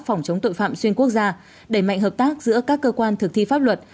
phòng chống tội phạm xuyên quốc gia đẩy mạnh hợp tác giữa các cơ quan thực thi pháp luật